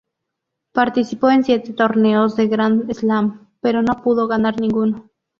Participó en siete torneos de Grand Slam, pero no pudo ganar ninguno.